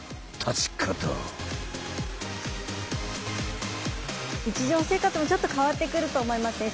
日常生活もちょっと変わってくると思いますね。